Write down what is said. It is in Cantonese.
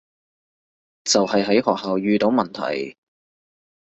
就係喺學校遇到問題